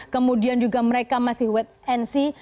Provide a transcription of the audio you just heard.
kemudian juga mereka masih wait and see